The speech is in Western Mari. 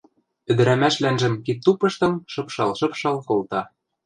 Ӹдӹрӓмӓшвлӓнжӹм кид тупыштым шыпшал-шыпшал колта.